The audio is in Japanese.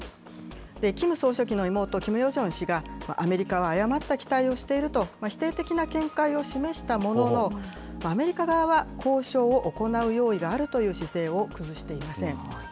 キム総書記の妹、キム・ヨジョン氏が、アメリカは誤った期待をしていると、否定的な見解を示したものの、アメリカ側は交渉を行う用意があるという姿勢を崩していません。